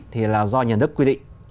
thì là do nhà đất quy định